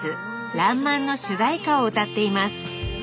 「らんまん」の主題歌を歌っています